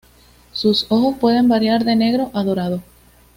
Sus ojos pueden variar de negro a dorado.